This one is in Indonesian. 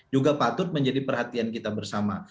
juga patut menjadi perhatian kita bersama